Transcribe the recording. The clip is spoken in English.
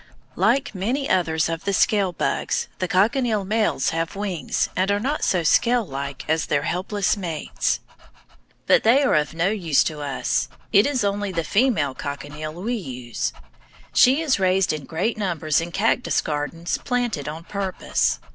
Like many others of the scale bugs, the cochineal males have wings and are not so scalelike as their helpless mates. But they are of no use to us. It is only the female cochineal we use. She is raised in great numbers in cactus gardens planted on purpose.